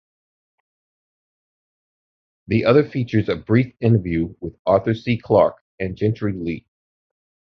The other features a brief interview with Arthur C. Clarke and Gentry Lee.